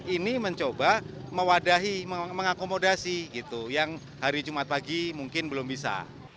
ini mencoba mewadahi mengakomodasi yang hari jumat pagi mungkin belum bisa